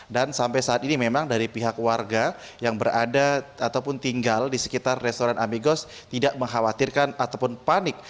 dan sampai saat ini memang dari pihak warga yang berada ataupun tinggal di sekitar restoran amigos tidak mengkhawatirkan ataupun panik